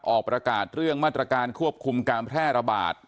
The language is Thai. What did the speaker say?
ออกประกาศเรื่องมาตรการควบคุมการแพร่ระบาด